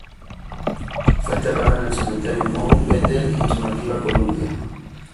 Fue enterrado en el cementerio Mount Bethel en su nativa Columbia.